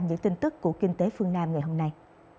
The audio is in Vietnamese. những tin tức của kinh tế phương nam ngày hôm nay